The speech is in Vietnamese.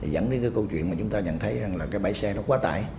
vẫn đến câu chuyện chúng ta nhận thấy là cái bãi xe nó quá tải